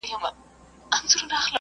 ايډيالوژي به د سياست لوری وټاکي.